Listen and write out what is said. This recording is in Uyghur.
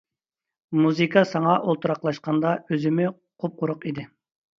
مۇزىكا ساڭا ئولتۇراقلاشقاندا ئۆزىمۇ قۇپقۇرۇق ئىدى.